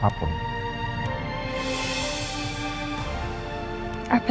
papa gak cerita ke siapapun